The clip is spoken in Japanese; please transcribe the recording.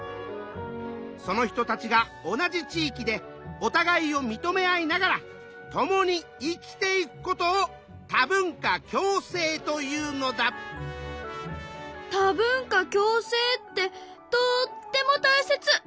その人たちが同じ地いきでおたがいをみとめ合いながら共に生きていくことを多文化共生ってとってもたいせつ！